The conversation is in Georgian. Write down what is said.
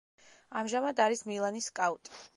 ამჟამად არის მილანის სკაუტი.